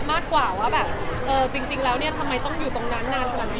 มากกว่าว่าจริงแล้วทำไมต้องอยู่ตรงนั้นนานกว่านี้